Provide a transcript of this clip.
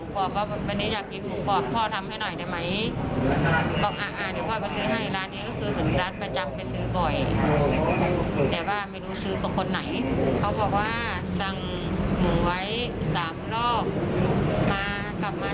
เป็นศาติประโยชน์ต้องมาเจอความสุขของเขาก็ยิ่งยากด้วย